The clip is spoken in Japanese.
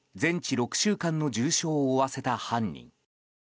６週間の重傷を負わせた犯人。